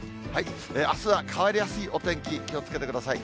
あすは変わりやすいお天気、気をつけてください。